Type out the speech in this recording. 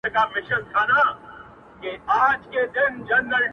ستا د عدل او انصاف بلا گردان سم٫